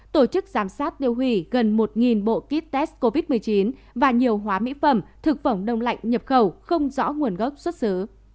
tổ chức giám sát tiêu hủy gần một bộ kit test covid một mươi chín và nhiều hóa mỹ phẩm thực phẩm đông lạnh nhập khẩu không rõ nguồn gốc xuất xứ